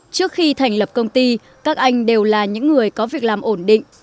trước khi thành lập công ty các anh đều là những người có việc làm ổn định